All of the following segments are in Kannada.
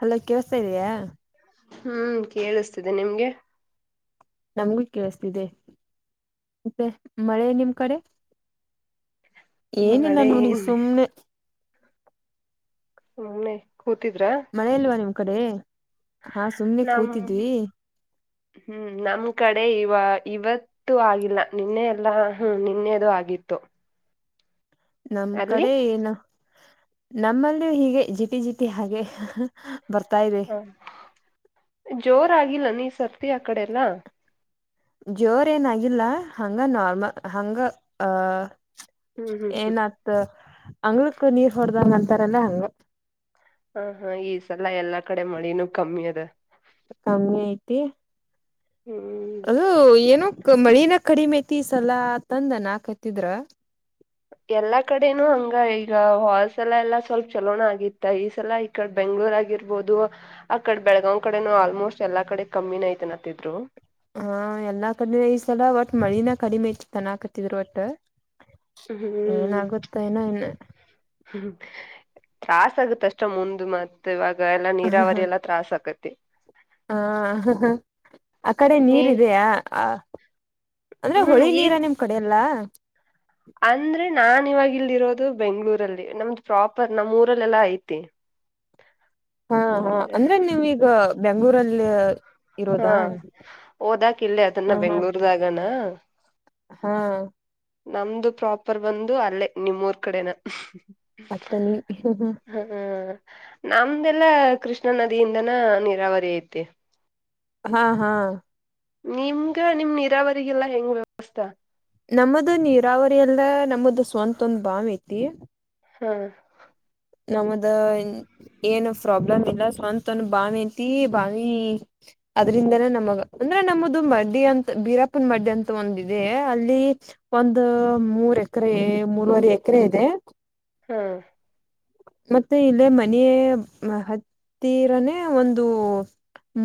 ಹಲೋ ಕೆಳಸ್ತಾ ಇದೆಯಾ. ಹ್ಮ್ ಕೇಳಿಸ್ತಿದೆ ನಿಮ್ಗೆ. ನಮ್ಗೂ ಕೇಳಸ್ತಿದೆ ಮತ್ತೆ ಮಳೆ ನಿಮ್ ಕಡೆ. ಏನಿಲ್ಲ ಮಳೆ ನೋಡಿ ಸುಮ್ನೆ. ಸುಮ್ನೆ ಕೂತಿದ್ರಾ. ಮಳೆ ಇಲ್ವಾ ನಿಮ್ ಕಡೆ ಹಾ. ಸುಮ್ನೆ ನಮ್ಮ. ಕೂತಿದ್ವಿ [inaudible] ಹ್ಮ್ ನಮ್ ಕಡೆ ಇವ ಇವತ್ ಇತ್ತು ಆಗಿಲ್ಲ ನಿನ್ನೆ ಎಲ್ಲಾ ಹ್ಮ ನಿನ್ನೆದು ಆಗಿತ್ತು. ನಮ್ ಅಲ್ಲಿ ಕಡೆ ಏನ ನಮ್ಮಲ್ಲಿ ಹೀಗೆ ಜಿಟಿ ಜಿಟಿ ಹಾಗೆ ಬರ್ತಾದೆ. ಜೋರಾಗಿಲ್ಲ ನ ಈ ಸರ್ತಿ ಆ ಕಡೆ ಎಲ್ಲಾ ಜೋರ್ ಏನಾಗಿಲ್ಲ ಹಂಗ ನಾರ್ಮಲ್ ಹಂಗ ಅಹ. ಹ್ಮ್ ಹ್ಮ್ ಹ್ಮ್ ಏನತ್ ಅಂಗ್ಳಕ್ಕ ನೀರ್ ಹೊಡ್ದಂಗ ಅಂತಾರಲ್ಲ ಹಂಗ. ಹಾ ಹಾ ಈ ಸಲ ಎಲ್ಲಾ ಕಡೆ ಮಳಿನೂ ಕಮ್ಮಿ ಅದ. ಕಮ್ಮಿ ಐತಿ. ಹ್ಮ್. ಅದು ಏನೋ ಮಳಿನ ಕಡಿಮೆ ಐತಿ ಸಲ ಆತಂದ ಅನಾಕತ್ತಿದ್ರ. ಎಲ್ಲಾ ಕಡೆನು ಹಂಗ ಈಗ ಹೋದ ಸಲ ಎಲ್ಲಾ ಸ್ವಲ್ಪ ಚಲೋಣ ಆಗಿತ್ತ ಈ ಸಲ ಆತ ಬೆಂಗ್ಗಳೂರ್ ಆಗಿರ್ಬೋದು. ಆ ಕಡೆ ಬೆಳಗಾವ್ ಕಡೆನು ಆಲ್ಮೋಸ್ಟ್ ಎಲ್ಲಾ ಕಡೆ ಕಮ್ಮಿನ ಐತೆನತ್ತಿದ್ರು. ಹ ಎಲ್ಲಾ ಕಡಿಮೆ ಐ್ಸಲ ಒಟ್ ಮಳಿನ ಕಡಿಮೆ ಐತ್ ತನಕತಿದ್ರ ಒಟ್ ಹ್ಮ್. ಏನೋ ಇನ್ನು ಹ್ಮ್ ತ್ರಾಸ ಆಗತ್ ಅಷ್ಟ ಮುಂದ ಮತ ಇವಾಗ ಎಲ್ಲಾ ನೀರಾವರಿ ಎಲ್ಲಾ ತ್ರಾಸ ಆಕತ್ತೆ ಹ ಆ ಕಡೆ ನೀ ನೀರ ಇದೆಯಾ ಹಾ. ಅಂದ್ರೆ ಹ್ಮ್ ಹೊಳಿ ನೀರ ಈಗ ನಿಮ್ ಕಡೆ ಅಲ್ಲಾ. ಅಂದ್ರೆ ನಾನ್ ಇವಾಗ ಇಲ್ಲಿ ಇರೋದು ಬೆಂಗ್ಳೂರಲ್ಲಿ ನಮ್ದು ಪ್ರಾಪರ್ ನಮ್ ಊರಲೇಲ್ಲ ಐತಿ. ಹಾ ಹಾ ಅಂದ್ರೆ ನೀವೀಗ ಬೆಂಗ್ಗಳೂರಲ್ಲಿ. ಹಾ ಓದಾಕ ಇಲ್ಲ ಅದನ್ನ ಹ ಹಾ ಬೆಂಗ್ಳೂರ್ದಾಗನ. ಹಾ. ನಮ್ದು ಪ್ರಾಪರ್ ಬಂದು ಅಲ್ಲೇ ನಿಮ್ಮೂರ್ ಕಡೆನ ಅಥಣಿ. ಹ್ಮ ನಮ್ದೆಲ್ಲಾ ಕೃಷ್ಣಾ ನದಿಯಿಂದನ ನೀರಾವರಿ ಐತಿ. ಹಾ ಹಾ. ನಿಮ್ಗ ನಿಮ್ ನೀರಾವರಿಗೆಲ್ಲಾ ಹೆಂಗ ಅಷ್ಟ. ನಮ್ಮದು ನೀರಾವರಿ ಎಲ್ಲ ನಮ್ಮದು ಸ್ವಂತ ಒಂದ್ ಬಾವಿ ಐತಿ. ಹಾ. ನಮದ ಏನು ಪ್ರಾಬ್ಲಮ್ ಇಲ್ಲ ಸ್ವಂತವಂದ ಬಾವಿ ಅಂತ ಬಾವಿ ಅದ್ರಿಂದನೇ ನಮಗ ಅಂದ್ರೆ ನಮ್ಮದು ಮಡ್ಡಿ ಅಂತ ಬೀರಾಪನ್ ಮಡ್ಡಿ ಅಂತ ಒಂದಿದೆ ಅಲ್ಲಿ ಒಂದು ಮೂರ್ ಎಕರೆ ಮೂರವರೆ ಎಕರೆ ಇದೆ. ಹಾ. ಮತ್ತೆ ಇಲ್ಲೇ ಮನೆಯ ಮ ಹತ್ತಿರನೇ ಒಂದು.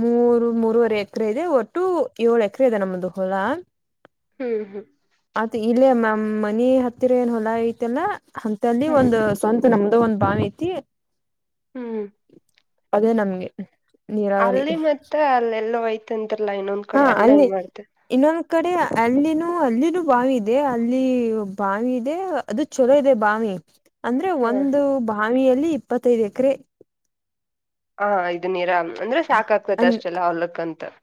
ಮೂರು ಮೂರುವರೆ ಎಕರೆ ಇದೆ ಒಟ್ಟು ಏಳು ಎಕರೆ ಇದೆ ನಮ್ದು ಹೊಲಾ. ಹೂ ಹು. [unintelligible] ಆತ್ ಇಲ್ಲೇ ಮಮ್ ಮನಿ ಹತ್ತಿರ ಏನ್ ಹೊಲ ಐತಿಲ್ಲ ಹಂತಲ್ಲಿ ಹ್ಮ್ ಒಂದ್ [unintelligible] ನಮ್ಮದ ಒಂದ್ ಬಾವಿ ಐತಿ. [unintelligible] ಹೂ. [unintelligible] ಅದೇ ನಮಗೆ. [unintelligible] ಅಲ್ಲಿ ಮತ್ತ ಅಲ್ಲ ಎಲ್ಲೋ ಅಯ್ತ ಅಂತಲ್ಲಾ ಇನ್ನೊಂದ. [unintelligible] ಹಾ ಅಲ್ಲಿ. [unintelligible] ಇನ್ನೊಂದ್ ಕಡೆ ಅಲ್ಲಿನೂ ಅಲ್ಲಿನೂ ಬಾವಿ ಇದೆ ಅಲ್ಲಿ ಬಾವಿ ಇದೆ ಅದು [unintelligible] ಚೋಲೋ ಇದೆ ಬಾವಿ ಅಂದ್ರೆ ಹಾ ಒಂದು ಬಾವಿಯಲ್ಲಿ ಇಪ್ಪತ್ತೈದು ಎಕರೆ. [unintelligible] ಹಾ ಇದು ನೀರಾ ಅಂದ್ರೆ ಸಾಕಕ್ ಆಕತ್ತ ಅನ್ ಅಷ್ಟೆಲ್ಲ ಹೊಲಕ್ಕಂತ. [unintelligible]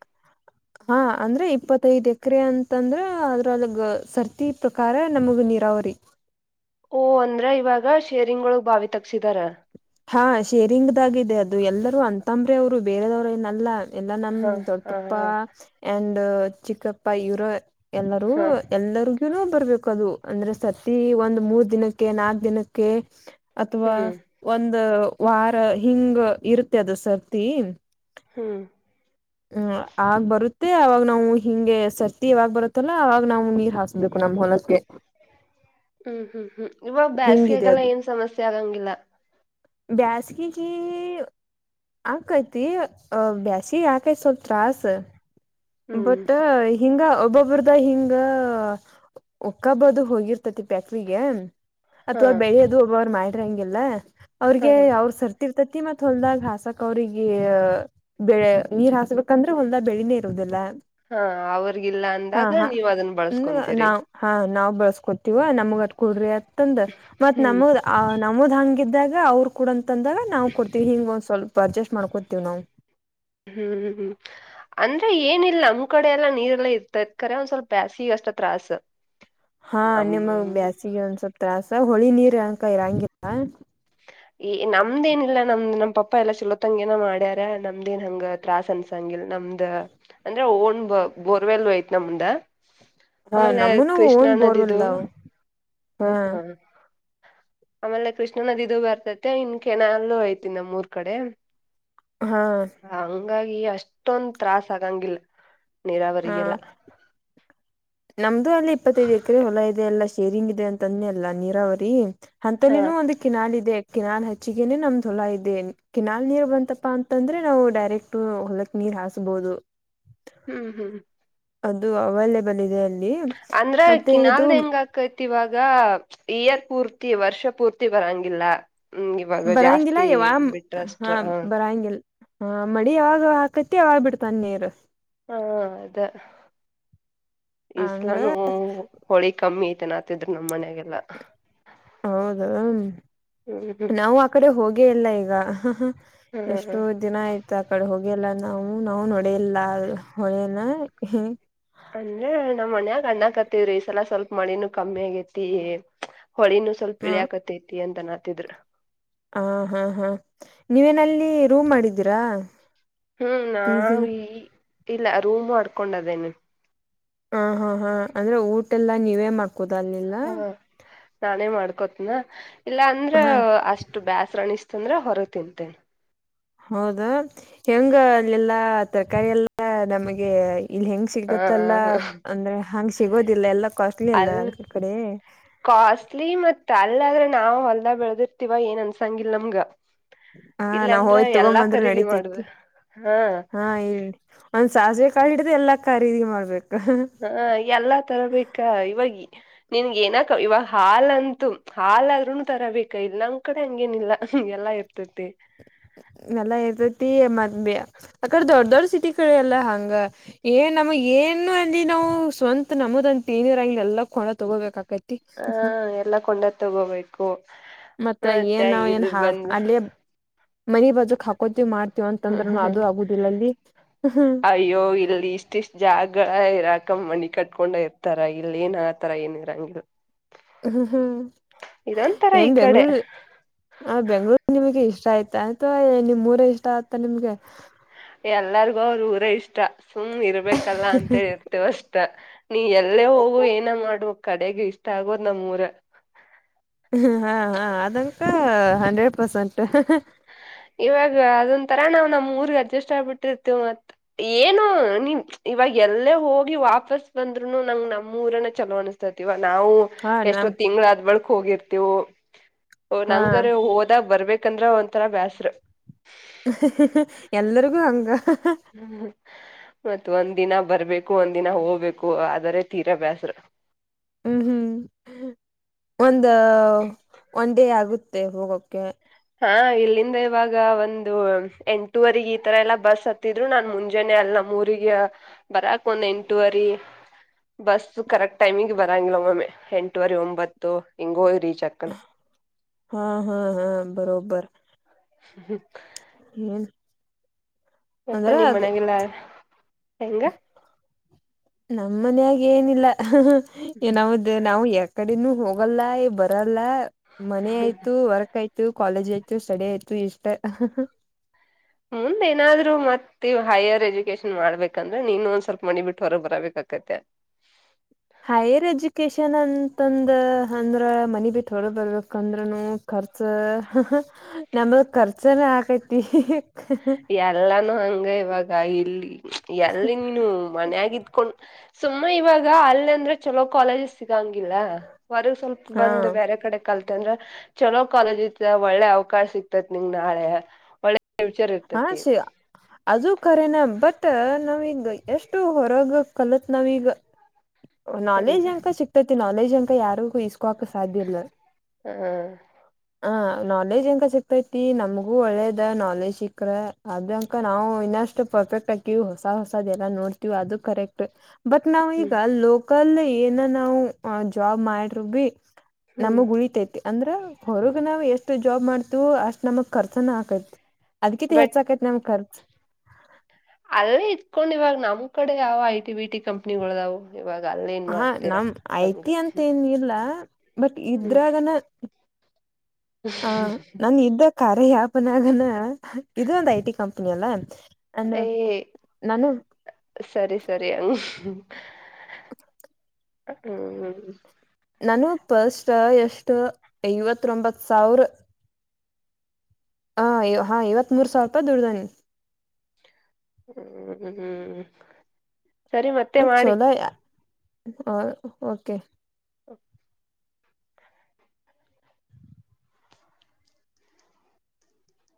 ಹಾ ಅಂದ್ರೆ ಇಪ್ಪತ್ತೈದ್ ಎಕರೆ ಅಂತಂದ್ರ ಅದ್ರಲಗ ಸರ್ತಿ ಪ್ರಕಾರ ನಮಗ ನೀರಾವರಿ. [unintelligible] ಹು ಅಂದ್ರ ಇವಾಗ ಶೇರಿಂಗ್ ಒಳಗ್ ಬಾವಿ ತಕ್ಸಿದಾರ. [unintelligible] ಹಾ ಶೇರಿಂಗದಾಗ ಇದೆ ಅದು ಎಲ್ಲರೂ ಅಂತಂಬ್ರೆ ಅವ್ರು ಬೇರೆದವ್ರ ಏನ್ ಅಲ್ಲ. [unintelligible] ಎಲ್ಲಾ ಹಾ ನಮ್ಮ ಹಾ ದೊಡ್ಡಪ್ಪ ಹಾ ಆಂಡ್ ಚಿಕ್ಕಪ್ಪ ಇವರ ಎಲ್ಲರೂ ಹಾ [unintelligible] ಎಲ್ಲರಿಗೂನು ಬರ್ಬೇಕು ಅದು ಅಂದ್ರೆ ಸತಿ ಒಂದ್ ಮೂರ್ ದಿನಕ್ಕೆ ನಾಕ್ ದಿನಕ್ಕೆ [unintelligible] ಅಥವಾ ಹ್ಮ್ ಒಂದ ವಾರ ಹಿಂಗ ಇರುತ್ತೆ ಅದು ಸರ್ತಿ. [unintelligible] ಹೂ. [unintelligible] [inaudible] ಇಲ್ಲ ಆಗ ಬರುತ್ತೆ ಅವಾಗ ನಾವು ಹಿಂಗೆ ಸರ್ತಿ ಯವಾಗ್ ಬರುತ್ತಲ್ಲಾ ಅವಾಗ ನಾವು ನೀರ್ ಹಾಸ ಇದಕ್ಕು ನಮ್ಮ ಹೊಲಕ್ಕೆ. [unintelligible] ಹು ಹು ಹು ಇವಾಗ ಬೇಸಗ್ಯಾ ಹಿಂಗಿದೆ ಎಲ್ಲಾ ಏನ್ ಸಮಸ್ಯೆ ಆಗಂಗಿಲ್ಲ. [unintelligible] ಬ್ಯಾಸಗೀ [unintelligible] ಆಕೈತಿ ಅ ಬ್ಯಾಸಗಿ ಆಕೆತಿ ಸ್ವಲ್ಪ ತಾರಸ್. [unintelligible] ಹ್ಮ್ ಬಟ್ ಹಿಂಗ ಒಬ್ಬೊಬ್ರದ ಹಿಂಗ ಒಕ್ಕಬೋದು ಹೋಗಿರ್ತತಿ ಫ್ಯಾಕ್ಟರಿಗೆ ಹಾ ಅಥವಾ ಬೆಳೆಯೋದು ಒಬ್ಬರ ಮಾಡಿರಿಂಗ್ ಇಲ್ಲ. [unintelligible] ಹಾ ಅವ್ರಿಗೆ ಅವರ ಸರ್ತಿ ಇರ್ತತಿ ಮತ್ತ ಹೊಲ್ದಾಗ ಹಾಸಕ್ ಅವ್ರಿಗೆ ಬೆಳೆ ನೀರ್ ಹಾಸಬೇಕ. [unintelligible] ಯಾಕಂದ್ರೆ ಹೊಲ್ದ ಬೆಳಿನೇ ಇರುದಿಲ್ಲ ಹಾ ಅವ್ರಿಗಿಲ್ಲ ಹಾ ಅಂದಾಗ ಹಾ ನೀವ್ ಅದನ್ ಇನ್ ಬಳಸ್ಕೊಂತೀರಿ ನಾವು [unintelligible] ಹಾ ನಾವ್ ಬಳಸ್ಕೊತಿವ ನಮಗ ಅದ ಕೊಡ್ರಿ ಅಂತಂದ ಮತ್ತ ಹ್ಮ್ ನಮಗ ಆ ನಮದ್ ಹಂಗ ಇದ [unintelligible] ಇದಾಗ ಅವರ ಕೂಡ ಅಂತ ಅಂದಾಗ ನಾವು ಕೊಡ್ತೀವಿ ಹಿಂಗ ಒಂದ ಸ್ವಲ್ಪ ಅಜಸ್ಟ್ ಮಾಡ್ಕೊತೀವಿ ನಾವು. [unintelligible] ಹೂ ಹೂ. [unintelligible] ಅಂದ್ರೆ ಏನಿಲ್ಲ ನಮ್ಮ ಕಡೆ ಎಲ್ಲಾ ನೀರೆಲ್ಲಾ ಇರ್ತದ ಕರೆ ಒಂದ್ ಸ್ವಲ್ಪ ಬ್ಯಾಸಿಗ ಅಷ್ಟ ತ್ರಾಸ. [unintelligible] ಹಾ ನಿಮ್ಮಗ ನಮ್ ಬ್ಯಾಸಿಗೆ ಒಂದ್ ಸ್ವಲ್ಪ್ ತ್ರಾಸ ಹೊಳಿ ನೀರ್ ಅಂಕ ಇರಂಗಿಲ್ಲ. [unintelligible] ಈ ನಮ್ದ ಏನಿಲ್ಲ ನಮ್ದ್ ನಮ್ಮ ಪಪ್ಪಾ ಎಲ್ಲಾ ಚೋಲೋತಂಗ ಏನೋ ಮಾಡ್ಯಾರ ನಮ್ದ ಏನ್ ಹಂಗ ಆತ್ [unintelligible] ತ್ರಾಸ್ ಅನ್ಸಂಗ ಇಲ್ಲ ನಮ್ದ್ ಅಂದ್ರೆ ಓನ್ ಬ ಬೋರ್ವೆಲ್ ಯತ್ ನಮ್ದ. [unintelligible] ಹಾ ಆಮೇಲೆ ನಮ್ಮನು ಕೃಷ್ಣಾ ಓನ್ ನದಿದುನು ಬೋರ್ವೆಲ್ದಾವ್ [unintelligible] ಹಾ. [unintelligible] ಆಮೇಲೆ ಕೃಷ್ಣ ನದಿದು ಬರ್ತೈತೆ ಇನ್ ಕೆಣಲ್ಲೂ ಐತಿ ನಮ್ಮ ಊರ್ ಕಡೆ. [unintelligible] ಹಾ. [unintelligible] ಹಂಗಾಗಿ ಅಷ್ಟೊಂದ ತ್ರಾಸ್ ಆಗಂಗಿಲ್ಲ ಹಾ ನೀರಾವರಿಗೆ ಎಲ್ಲಾ. [unintelligible] ನಮ್ದು ಅಲ್ಲಿ ಇಪ್ಪತ್ತೈದ ಎಕರೆ ಹೊಲ ಇದೆ ಅಲ್ಲ ಶೇರಿಂಗ್ ಇದೆ ಅಂತಂದೆ ಅಲ್ಲಾ ನೀರಾವರಿ. [unintelligible] ಹ ಅಂತಲ್ಲಿನು ಒಂದ ಇ [unintelligible] ಕಿನಾಲ್ ಇದೆ ಕಿನಾಲ್ ಹಚ್ಚಿದಿನೆ ನಮ್ಮದ ಹೊಲ ಇದೆ ಕಿನಾಲ್ ನೀರ್ ಬಂತಪ್ಪಾ ಅಂತಂದ್ರೆ ನಾವು ಡೈರೆಕ್ಟ್ ಇತ್ತು ಹೊಲಕ್ಕ ನೀರ್ ಹಾಸಬಹುದು. [unintelligible] ಹ್ಮ್ ಅದು ಅವೈಲೇಬಲ್ ಇದೆ ಅಲ್ಲಿ ಮತ್ತೆ ಇದು. ಈವಾಗ ಇಯರ್ ಪೂರ್ತಿ ವರ್ಷ ಪೂರ್ತಿ ಬರಂಗಿಲ್ಲ. ಹ್ಮ್ ಇವಾಗ ಬರಂಗಿಲ್ಲ ಜಾಸ್ತಿ ಯಾವ ಬಿಟ್ರಷ್ಟ ಹಾ ಹ ಬರಂಗಿಲ್ಲ ಹಾ ಮಡಿ ಯಾವಾಗಹಾಕತಿ ಆಗ ಬಿಡ್ತಾನ ನೀರು. ಹಾ ಅದೇ ಹಂಗ ಇಸ್ಲಾನು. ಹೋಳಿ ಕಮ್ಮಿ ಐತೆ ನತಿದ್ರು ನಮ್ಮ್ ಮನಯಾಗೆಲ್ಲಾ. ಹೌದ ಹ್ಮ್ ಹ್ಮ್ ನಾವು ಆ ಕಡೆ ಹೋಗೇಯಿಲ್ಲ ಈಗ ಹಾ ಎಷ್ಟೋ ದಿನ ಆಯ್ತು. ಆ ಕಡೆ ಹೋಗಿಲ್ಲ ನಾವು ನಾವು ನೋಡೆಯಿಲ್ಲ [unintelligible] ಅಂದ್ರ ನಮ್ ಮನ್ಯಾಗ ಅನ್ನಕತ್ತವ್ರಿ ಈ ಸಲ ಸ್ವಲ್ಪ ಮಳಿನೂ ಕಮ್ಮಿ ಆಗೇತಿ [unintelligible] ಸ್ವಲ್ಪ ಇಳಿ ಹ ಆಕತೈತಿ ಅಂತನಾ ಹನ್ನಾತಿದ್ರು. ಹ ಹಾ ಹಾ ನೀವೇನಲ್ಲಿ ರೂಮ್ ಮಾಡಿದ್ದೀರಾ ಹ್ಮ್ ನಾ ಪಿಜಿನ ಈ ಇಲ್ಲ ರೂಮ್ ಆಡ್ಕೊಂಡದೇನೆ. ಹ ಹಾ ಹಾ ಅಂದ್ರೆ ಊಟೆಲ್ಲಾ ನೀವೇ ಮಾಡಕ್ತ. [unintelligible] ಹಾ ನಾನೇ ಮಾಡ್ಕೊತಿನ ಇಲ್ಲ ಅಂದ್ರ ಹ ಅಷ್ಟ. ಅಷ್ಟು ಬ್ಯಾಸರ ಅನಿಸಿದ್ರ ಅಂದ್ರೆ ಹೊರಗೆ ತಿಂತೇನೆ. ಹೌದಾ ಹೆಂಗ ಅಲ್ಲಿ ಎಲ್ಲಾ ತರಕಾರಾರಿ ಎಲ್ಲಾ ನಮಗೆ. ಇಲ್ ಹೆಂಗ ಆ ಸಿಗತ್ತಲ್ಲ ಅಂದ್ರೆ ಹಂಗ್ ಸಿಗೋದಿಲ್ಲ ಎಲ್ಲಾ ಕಾಸ್ಟ್ಲಿ ಅಲ್ಲ ಅಲ್ ಅ ಕಡೆ. ಕಾಸ್ಟ್ಲಿ ಮತ್ತ್ ಅಲ್ಲ ಆದ್ರೆ ನಾವವು ಹೊಲ್ದ ಬೆಳೆದಿರ್ತಿವ ಏನ್ ಅನ್ಸಂಗಲ್ ನಮ್ಗ. ಹಾ ನಾವ್ ಇಲ್ಲಾಂದ್ರ ಹೋಯ್ತ್ ಎಲ್ಲಾ ತಗೊಂಬಂದ್ರ ಖರೀದಿ ನೆಡಿತಿತ್ತು ಮಾಡ್ಬೇ ಹಾ ಹೇಳಿ ಒಂದ್ ಸಾಸಿವೆ ಕಾಳಿಹಿಡ್ದು ಎಲ್ಲಾ ಖರೀದಿಗೆ ಮಾಡ್ಬೇಕ. ಹ ಎಲ್ಲಾ ತರ ಬೇಕಾ ಈವಾಗ. ನಿನ್ಗ ಏನಕ ಇವಾಗ ಹಾಲ್ ಅಂತು ಹಾಲ್ಹಾದ್ರುನು ತರಬೇಕ ಇಲ್ಲ ನಂಗ್ ಕಡೆ ಹಂಗೇನಿಲ್ಲಗೆಲ್ಲಾ. ಬರುತ್ತೆ. ನೆಲ್ಲಾ ಇರ್ತೈತಿ ಮದ್ ಆಕಡೆ ದೊಡ್ಡ ದೊಡ್ಡ ಸಿಟಿ ಕಡೆ ಎಲ್ಲ ಹಂಗ. ಏನ್ ನಮ್ಮ ಏನು ಅಲ್ಲಿ ನಾವು ಸ್ವಂತತ್ ನಮದಂತತಿನಿರಂಗ ಎಲ್ಲ [unintelligible] ತಗೋಬೇಕ ಆಕತ್ತಿ. ಆ ಎಲ್ಲಾ ಕೊಂಡದ ತಗೋಬೇಕು. ಮತ್ತ ಏನ್ ಮತ್ತೆ ನಾವ ಏನ್ ಇಲ್ ಹಾ ಬಂದ್ ಅಲ್ಲೇ. ಮನ ಬಾಜಕ್ ಹಾಕೋತಿವಿ ಮಾಡ್ತವ ಅಂತಂದ್ರರುನು ಅದು ಆಗುದಿಲ್ಲ ಅಲ್ಲಿ. ಅಯ್ಯೋ ಇಲ್ಲಿ ಇಷ್ಟ ಇಷ್ಟ್ ಜಾಗ ಇರಾಕ ಮಣಿ ಕಟ್ಕೊಂಡ ಇರ್ತಾರ ಇಲ್ಲಿ ಏನಾ. ಒಂತರ ಹಿಂಸೆ. ಹ್ಮ್ ಹ್ಮ್ ಇದೊಂತರ ಈ ಏನ್ ಕಡೆ ಬೆಂಗಳೂರು ಆ ಬೆಂಗ್ಗಳೂರ್ ನಿಮಗೆ ಇಷ್ಟ ಆಯ್ತಾ ಆಯ್ತವಾ ನಿಮ್ ಊರ ಇಷ್ಟ ಆಯತಾ ನಿಮ್ಗೆ. ಎಲ್ಲರಿಗೂ ಅವ್ರ ಊರ ಇಷ್ಟ ಸುಮ್ ಇರ್ಬೇಕಲ್ಲ ಅಂತ ಹೇಳಿದಿ. ಅಷ್ಟ ನೀ ಎಲ್ಲೇ ಹೋಗುವ ಏನ ಮಾಡ್ಬ ಕಡೆಗೆ ಇಷ್ಟ ಆಗೋದ್ ನಮ್ ಊರ. ಹಾ ಹಾ ಅದಹಂತ ಹಂಡ್ರೆಡ್ ಪರ್ಸೆಂಟ್. ಇವಾಗ ಅದೊಂತರ ನಾವವು ನಮ್ ಊರ್ಗ್ ಅಡ್ಜಸ್ಟ್ ಆಗ್ಬಿಟ್ಟಿರ್ತೇವಿ ಮತ್. ಏನು ನೀನ್ ಇವಾಗ ಎಲ್ಲೇ ಹೋಗಿ ವಾಪಸ್ ಬಂದ್ರುನು ನಂಗ ನಮ್ ಊರೇನೇ ಚಲೋ ಅನಿಸ್ತಾ. ನಾವು ಹಾ ಎಷ್ಟೋ ನಮ್ ತಿಂಗಳಾ ಆದ್ಮೇಲೆ ಬಳಕ ಹೋಗಿರ್ತಿವು. ಹಾ ನಂಗರ ಹೋದಾಗ ಬರ್ಬೇಕಂದ್ರೆ ಒಂಂತರಾ ಬ್ಯಾಸ ಎಲ್ಲರಿಗೂ ಹಂಗ ಹ್ಮ ಮತ್ ಒಂದ್ ದಿನ ಬರ್ಬೇಕು ಒಂದ ದಿನ ಹೋಗ್ಬೇಕು ಆದರೆ ತೀರಬ್ಯಾಸರ. ಹ್ಮ್ ಹ್ಮ್ ಒಂದ ಒನ್ ಡೇ ಆಗುತ್ತೆ ಹೋಗೋಕೆ. ಹಾ ಇಲ್ಲಿಂದ ಇವಾಗ ಒಂದು ಎಂಟೂವರೆಗೆ ಈತರ ಎಲ್ಲಾ ಬಸ್ ಹತ್ತಿದ. ಆದ್ರು ನಾನ್ ಮುಂಜಾನೆ ಅಲ್ ನಮ್ಮ್ ಊರಿಗೆ ಬರಕ್ ಒಂದ್ ಎಂಟುವರಿ. ಬಸ್ ಕರೆಕ್ಟ್ ಟೈಮಿಂಗ್ ಬರಂಗಿಲ್ಲ ಮಮ್ಮೆ ಎಂಟುವರೆ ಒಂಬತ್ತು ಹಿಂಗೋ ರೀಚ್ ಆಗ್ತದೆ. ಹಾ ಹಾ ಹಾ ಬರೋಬರ ಹ್ಮ್. ಏನ ಮತ್ತ ನಿಮ್ಮ್ ಮನಗೆಲ್ಲ ಹೆಂಗ. ನಮ್ಮ್ ಮನ್ಯಾಗ ಏನಿಲ್ಲ ಹಹಃ ಏನ ನಾವು ಯ ಕಡೆನುೂ ಹೋಗಲ್ಲ ಬರಲ್ಲ ಮನೆ ಆಯ್ತು ವರ್ಕ್ ಆಯ್ತ ಆ ಕಾಲೇಜ್ ಆಯ್ತು ಸ್ಟಡಿ ಆಯ್ತು ಇಷ್ಟ ಹಹ ಮುಂದ್ ಏನಾದ್ರು ಮತ್ತ ವು ಹೈಯರ್ ಎಜುಕೇಶನ್ ಮಾಡ್ಬೇಕಂದ್ರೆ ನೀನು ಒಂದ್ ಸ್ವಲ್ಪ ಮನಿ ಬಿಟ್ಟು ಹೊರಗ್ ಬರಬೇಕಕತ್ತ ಹೈಯರ್ ಎಜುಕಷನ್ ಅಂತಂದ ಅಂದ್ರ ಮನಿ ಬಿಟ್ಟ ಹೊರಗ ಬರ್ಬೇಕಂದ್ರೂನು. ಖರ್ಚ ಹಹಃ ನಮ್ದ ಕರ್ಚನಾ ಆಕತ್ತಿ ಎಲ್ಲಾನೂ ಹಂಗ ಇವಾಗ ಇಲ್ಲಿ ಎಲ್ಲಿ ನೀನು ಮನ್ಯಾಗತ್ಕೊಂಡ ಸುಮ್ಮ ಇವಾಗ ಅಲ್ಲಿ ಅಂದ್ರೆ ಚಲೋ ಕಾಲೇಜಸ್ ಸಿಗಂಗಿಲ್ಲ ಹೊರೆಗ ಸ್ವಲ್ಪ ಹಾ ಬಂದ್ ಬ್ಯಾರೆ ಕಡೆ ಕಲ್ತ್ ಅಂದ್ರ ಚಲೋ ಕಾಲೇಜ್ ಒಳ್ಳೆ ಅವಕಾಶ ಸಿಕ್ತೈತ್ ನಿಂಗ ನಾಳೆ ಒಳ್ಳೆ ಫ್ಯೂಚರ್ ಇರ್ ಹಾ ಸಿ ಅದು ಕರೆೇನಾ ಬಟ್ ನಾವೀಗ ಎಷ್ಟು ಹೊರಗ ಕಲತ್ ನಾವೀಗ ಹೆಂಗ ನಾಲೆಜ್ ಅಂಕ ಸಿಕ್ತತಿ ನಾಲೆಜ್ ಅಂಕ ಯಾರಿಗೂ ಇಸ್ಕೋಕ್ ಸಾಧ್ಯ ಇಲ್ಲ. ಹಾ. ಹ ನಾಲೆಜ್ ಎಂಗ ಸಿಕ್ತೈತಿ ನಮಗೂ ಒಳ್ಳೇದ ನಾಲೆಜ್ ಸಿಕ್ ಅ ಅದಂಕ ನಾವು ಇನ್ನಷ್ಟು ಪರ್ಫೆಕ್ಟ್ ಆಕಿವವಿ ಹೊಸ ಹೊಸದ ಎಲ್ಲ ನೋಡ್ತಿವಿ ಅದು ಕರೆಕ್ಟ್ ಬಟ್ ನಾವ್ ಹ್ಮ್ ಈಗ ಲೋಕಲ್ ಏನ ನಾವು ಜಾಬ್ ಮಾಡರು ಬಿ ಹ್ಮ್ ನಮಗ್ ಉಳಿತೈತಿ ಅಂದ್ರ ಹೊರಗ ನಾವ್ ಎಷ್ಟು ಜಾಬ್ ಮಾಡ್ತವೋ ಅಷ್ಟ್ ನಮಗ್ ಕರ್ಸನ ಆಕೈತಿ ಅದಕಿತ ಬಟ್ ಹೆಚ್ಚ ಆಕೈತಿ ನಮ್ ಖರ್ಚ ಅಲ್ಲೇ ಇತ್ಕೊಂಡ್ ಇವಾಗ ನಮ್ ಕಡೆ ಯಾವ ಐ ಟಿ ವಿ ಟಿ ಕಂಪ್ನಿಗಳುದಾವವು ಇವಾಗ ಅಲ್ಲಿ ಹಾ ನಮ್ ಐ ಟಿ ಅಂತ ಏನ್ ಇಲ್ಲ ಬಟ್ ಹ್ಮ್ ಇದ್ರಾಗನ ಹ ನನ್ ಇದ್ದ ಕಾರ್ಯ ಆಪ್ ನ್ಯಾಗನ ಇದು ಒಂದ ಐ ಟಿ ಕಂಪನಿ ಅಲ್ಲ ಏಯ ನಾನು ಸರಿ ಸರಿ ಹ್ಮ್. ನಾನು ಪಸ್ಟ್ ಎಷ್ಟು ಐವತ್ತತ್ರೊಬಂತ್ತ ಸಾವಿರ ಹಾಂ ಹಾಂ ಐವತ್ತ ಮೂರ ಸಾವಿರೂಪಾಯಿ ದುಡದೇನ ಹ್ಮ್ ಹ್ಮ್ ಸರಿ ಮತ್ತೆ ಮಾಡಿ. ಚಲೋಯ ಹಾ ಓಕೆ [inaudible]